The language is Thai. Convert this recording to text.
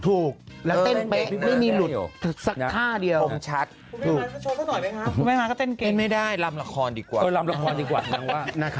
ถูกและเต้นเบ๊ะไม่มีหลุดสักท่าเดียวครับผมชัดไม่ได้รำละครดีกว่านางว่า